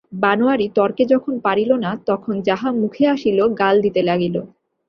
বনোয়ারি তর্কে যখন পারিল না তখন যাহা মুখে আসিল গাল দিতে লাগিল।